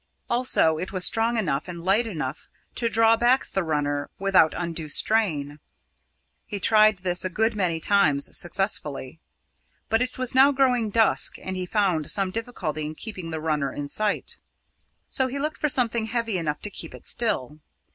Also it was strong enough and light enough to draw back the runner without undue strain. He tried this a good many times successfully, but it was now growing dusk and he found some difficulty in keeping the runner in sight. So he looked for something heavy enough to keep it still.